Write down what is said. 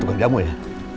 tukang jamu ya